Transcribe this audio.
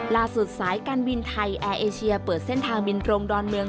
สายการบินไทยแอร์เอเชียเปิดเส้นทางบินตรงดอนเมือง